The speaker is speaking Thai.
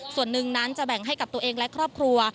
ส่วนหนึ่งนั้นจะแบ่งให้กับตัวเองและครอบครัว